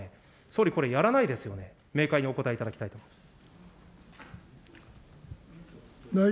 総理、これ、やらないですよね、明快にお答えいただきたいと思います。